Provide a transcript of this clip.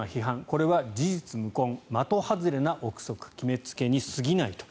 これは事実無根的外れな臆測決めつけに過ぎないと。